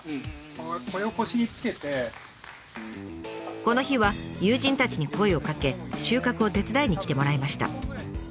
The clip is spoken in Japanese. この日は友人たちに声をかけ収穫を手伝いに来てもらいました。